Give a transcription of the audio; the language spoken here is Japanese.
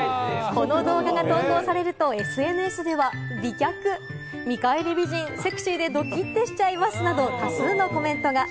この動画が投稿されるとＳＮＳでは、美脚、見返り美人、セクシーでドキッてしちゃいますなど多数のコメントが。